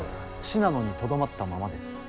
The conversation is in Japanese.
信濃にとどまったままです。